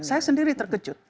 saya sendiri terkejut